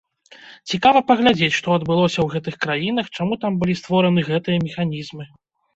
Цікава паглядзець, што адбылося ў гэтых краінах, чаму там былі створаны гэтыя механізмы?